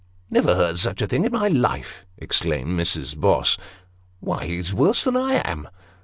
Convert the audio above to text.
" Never heard such a case in my life !" exclaimed Mrs. Bloss. " Why, he's worse than I am."